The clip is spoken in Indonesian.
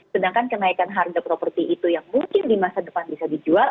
sedangkan kenaikan harga properti itu yang mungkin di masa depan bisa dijual